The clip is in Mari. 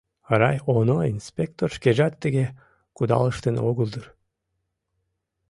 РайОНО инспектор шкежат тыге кудалыштын огыл дыр...